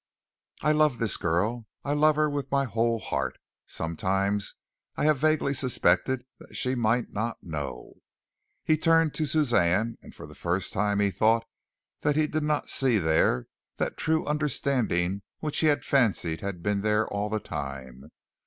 I love this girl. I love her with my whole heart. Sometimes I have vaguely suspected that she might not know." He turned to Suzanne, and for the first time he thought that he did not see there that true understanding which he had fancied had been there all the time.